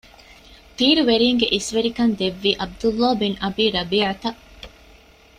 ތީރުވެރީންގެ އިސްވެރިކަން ދެއްވީ ޢަބްދުﷲ ބިން އަބީ ރަބީޢަތަށް